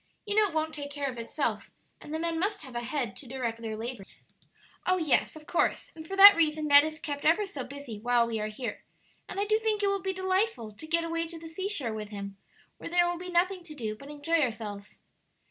You know it won't take care of itself, and the men must have a head to direct their labors." "Oh yes, of course; and for that reason Ned is kept ever so busy while we are here, and I do think it will be delightful to get away to the seashore with him, where there will be nothing to do but enjoy ourselves."